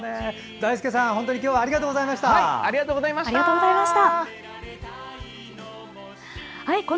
だいすけさん、本当に今日はありがとうございました。